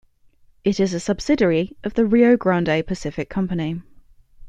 It is a subsidiary of the Rio Grande Pacific Company.